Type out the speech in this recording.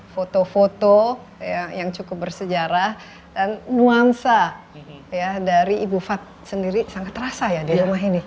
foto foto yang cukup bersejarah dan nuansa ya dari ibu fat sendiri sangat terasa ya di rumah ini